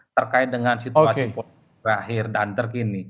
terkait dengan situasi politik terakhir dan terkini